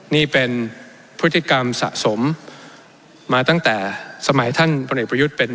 นี่เป็นพฤติกรรมสะสมมาตั้งแต่สมัยท่านพลเอกประยุทธ์เป็น